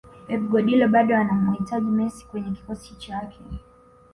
pep guardiola bado anamuhitaji messi kwenye kikosi chake